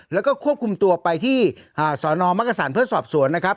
แล้วก็ควบคุมตัวไปที่สนมักกษันเพื่อสอบสวนนะครับ